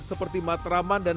seperti matraman dan sekitar tauran